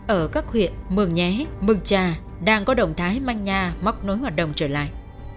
ở các huyện mường nhé mường trà đang có động thái manh nha móc nối hoạt động trở lại